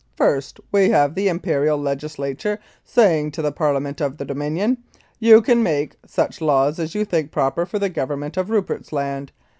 First we have the Imperial legislature saying to the Parlia ment of the Dominion : You can make such laws as you think proper for the Government of Rupert's Land.